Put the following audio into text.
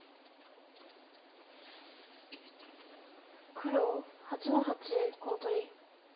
黒８の八コウ取り。